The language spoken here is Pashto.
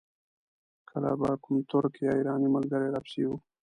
کله به کوم ترک یا ایراني ملګری را پسې و.